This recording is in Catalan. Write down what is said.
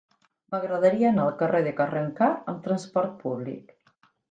M'agradaria anar al carrer de Carrencà amb trasport públic.